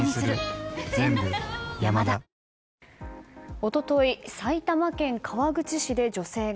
一昨日、埼玉県川口市で女性が。